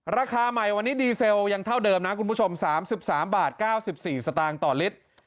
ราคาใหม่วันนี้ดีเซลยังเท่าเดิมนะคุณผู้ชม๓๓บาท๙๔สตางค์ต่อลิตร